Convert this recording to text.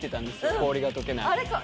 氷がとけない。